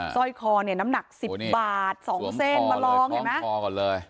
ร้อยคอเนี่ยน้ำหนัก๑๐บาท๒เส้นมาลองเห็นไหมคอก่อนเลย